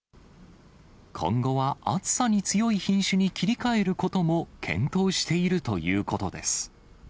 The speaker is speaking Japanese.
今後は、暑さに強い品種に切り替えることも検討しているということです。